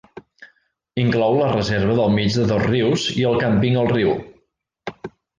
Inclou la reserva del Mig de dos Rius i el càmping El Riu.